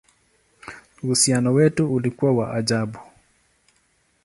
Uhusiano wetu ulikuwa wa ajabu!